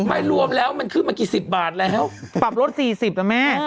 ไม่รวมแล้วมันขึ้นมากี่สิบบาทแล้วปรับลด๔๐อ่ะแม่